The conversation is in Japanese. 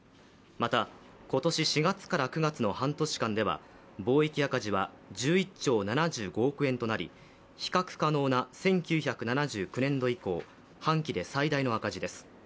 また、今年４月から９月の半年間では貿易赤字は１１兆７５億円となり比較可能な１９７９年度以降、半期で最大の赤字です。